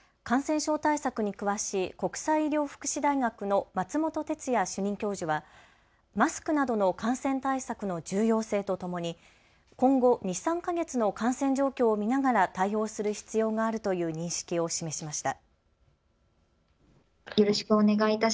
感染症対策に詳しい国際医療福祉大学の松本哲哉主任教授はマスクなどの感染対策の重要性とともに今後２、３か月の感染状況を見ながら対応する必要があるという認識を示しました。